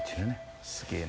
すげぇな。